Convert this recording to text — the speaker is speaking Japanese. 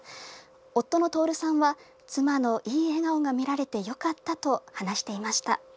夫の徹さんは妻のいい笑顔が見られてよかったと話していました。